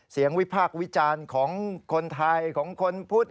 เสียงวิภาควิจารณ์ของคนไทยของคนพุทธ